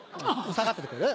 下がっててくれる？